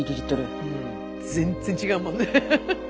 全然違うもんね。